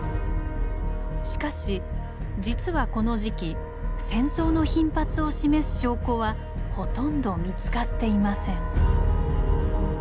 しかし実はこの時期戦争の頻発を示す証拠はほとんど見つかっていません。